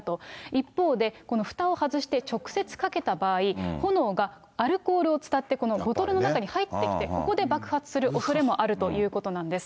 一方で、このふたを外して直接かけた場合、炎がアルコールを伝ってボトルの中に入っていって、ここで爆発するおそれもあるということなんです。